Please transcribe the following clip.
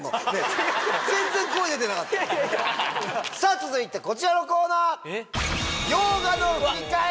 続いてこちらのコーナー！